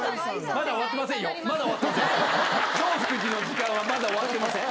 まだ終わってませんよ、まだ終わってません。